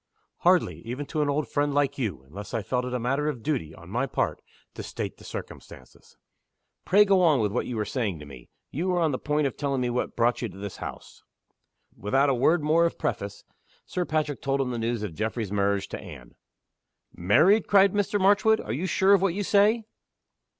"Hardly even to an old friend like you unless I felt it a matter of duty, on my part, to state the circumstances. Pray go on with what you were saying to me. You were on the point of telling me what brought you to this house." Without a word more of preface, Sir Patrick told him the news of Geoffrey's marriage to Anne. "Married!" cried Mr. Marchwood. "Are you sure of what you say?"